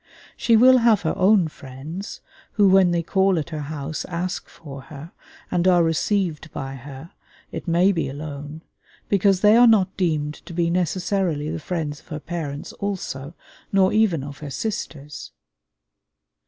She will have her own friends, who when they call at her house ask for her, and are received by her, it may be alone; because they are not deemed to be necessarily the friends of her parents also, nor even of her sisters.